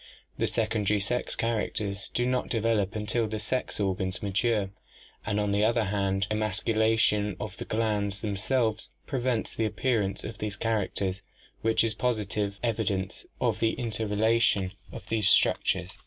The secondary sex characters do not develop until the sex organs mature, and on the other hand emasculation of the glands themselves pre vents the appearance of these characters, which is positive evi dence of the interrelation of these structures.